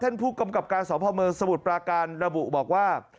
ผู้กำกับการสพเมืองสมุทรปราการระบุบอกว่า